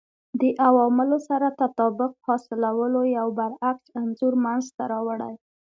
دې عواملو سره تطابق حاصلولو یو برعکس انځور منځته راوړي